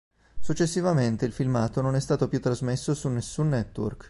Successivamente il filmato non è stato più trasmesso su nessun network.